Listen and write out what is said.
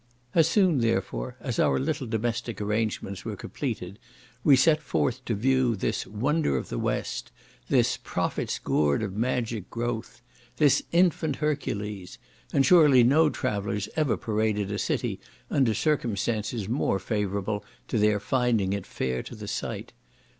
—As soon, therefore, as our little domestic arrangements were completed, we set forth to view this "wonder of the west" this "prophet's gourd of magic growth,"—this "infant Hercules;" and surely no travellers ever paraded a city under circumstances more favourable to their finding it fair to the sight.